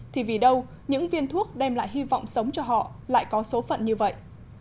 thì vì đâu những viên thuốc đem lại hy vọng sống cho họ lại có số phận như vậy